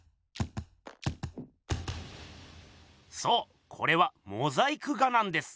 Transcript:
そうこれはモザイク画なんです。